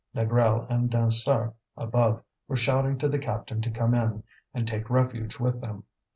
Négrel and Dansaert, above, were shouting to the captain to come in and take refuge with them.